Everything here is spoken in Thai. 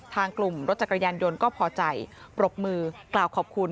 ทางกลุ่มรถจักรยานยนต์ก็พอใจปรบมือกล่าวขอบคุณ